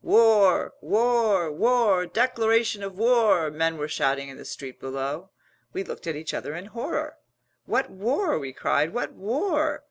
"War! War! War! Declaration of War!" men were shouting in the street below. We looked at each other in horror. "What war?" we cried. "What war?"